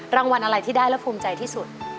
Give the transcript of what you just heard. รางวัลอะไรที่ได้และภูมิใจที่สุด